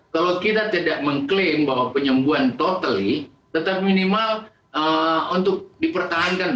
jika kita tidak mengakui bahwa penyembuhan total tetap minimal untuk dipertahankan